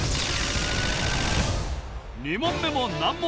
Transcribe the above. ２問目も難問